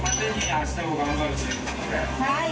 はい。